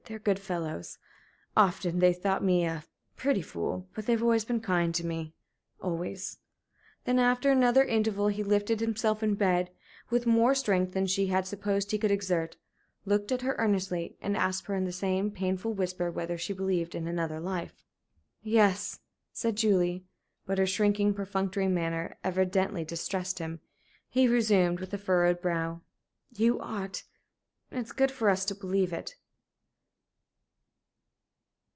They're good fellows. Often they've thought me a pretty fool. But they've been kind to me always." Then, after another interval, he lifted himself in bed, with more strength than she had supposed he could exert, looked at her earnestly, and asked her, in the same painful whisper, whether she believed in another life. "Yes," said Julie. But her shrinking, perfunctory manner evidently distressed him. He resumed, with a furrowed brow: "You ought. It is good for us to believe it."